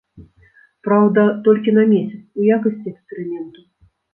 Праўда, толькі на месяц, у якасці эксперыменту.